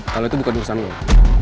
kalau itu bukan urusan gue